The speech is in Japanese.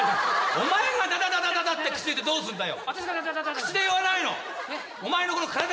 お前が「ダダダダダダダダ」って言ってどうすんだよ。